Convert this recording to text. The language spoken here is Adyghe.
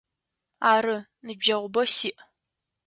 Ары, ныбджэгъубэ сиӏ.